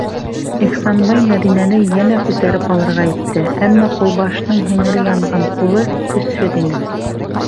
- Ихсанбай Мәҙинәне йәнә күтәреп алырға итте, әммә ҡулбашының һеңере янған ҡулы көсһөҙ ине.